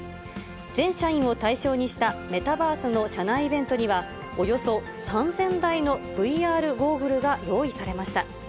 全社員を対象にしたメタバースの社内イベントので、およそ３０００台のＶＲゴーグルが用意されました。